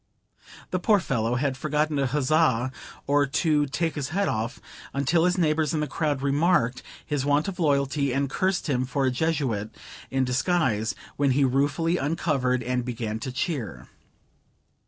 The poor fellow had forgot to huzzah or to take his hat off, until his neighbors in the crowd remarked his want of loyalty, and cursed him for a Jesuit in disguise, when he ruefully uncovered and began to cheer.